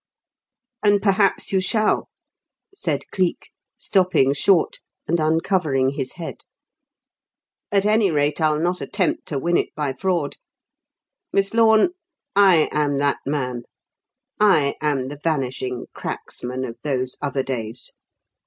'" "And perhaps you shall," said Cleek, stopping short and uncovering his head. "At any rate, I'll not attempt to win it by fraud. Miss Lorne, I am that man. I am the 'Vanishing Cracksman' of those other days.